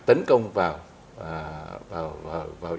tấn công vào